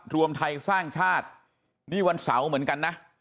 รวมไทยสร้างชาตินี่วันเสาร์เหมือนกันนะ